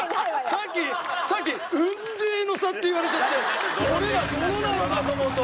さっきさっき雲泥の差って言われちゃって俺ら泥なのかと思うと。